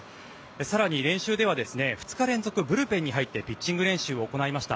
更に、練習では２日連続ブルペンに入ってピッチング練習を行いました。